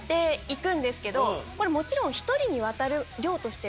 これもちろん。